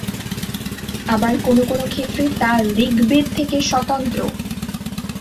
আবার কোনো কোনো ক্ষেত্রে তা ঋগ্বেদ থেকে স্বতন্ত্র।